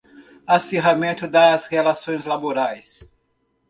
Acirramento das relações laborais